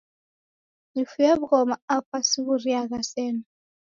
Nifuye wu'ghoma apa siwu'riagha sena